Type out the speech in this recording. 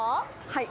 はい。